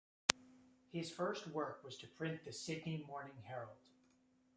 His first work was to print the "Sydney Morning Herald".